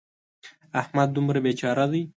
احمد دومره بې چاره دی.